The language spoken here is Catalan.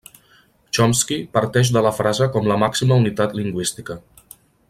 Chomsky parteix de la frase com la màxima unitat lingüística.